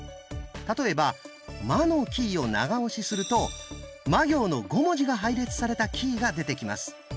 例えば「ま」のキーを長押しすると「ま」行の５文字が配列されたキーが出てきます。